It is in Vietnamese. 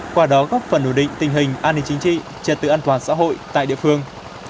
qua đó góp phần ổn định tình hình an ninh chính trị trật tự an toàn xã hội tại địa phương